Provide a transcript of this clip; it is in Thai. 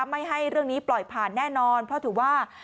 ไม่ให้เรื่องนี้ปล่อยผ่านแน่นอนเพราะถือว่า